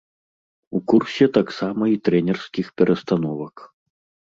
У курсе таксама і трэнерскіх перастановак.